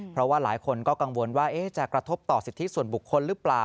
เพราะว่าหลายคนก็กังวลว่าจะกระทบต่อสิทธิส่วนบุคคลหรือเปล่า